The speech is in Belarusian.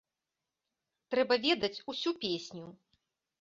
Трэба ведаць усю песню.